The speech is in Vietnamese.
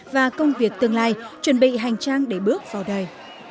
và công việc tương lai chuẩn bị hành trang để bước vào đời